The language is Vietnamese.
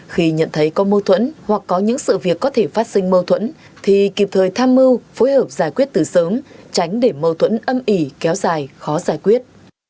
khi nhận thấy có mâu thuẫn hoặc có những sự việc có thể phát sinh mâu thuẫn thì kịp thời tham mưu phối hợp giải quyết từ sớm tránh để mâu thuẫn âm ỉ kéo dài khó giải quyết